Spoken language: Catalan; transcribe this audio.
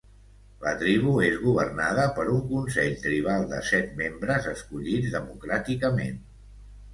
La tribu és governada per un consell tribal de set membres escollits democràticament.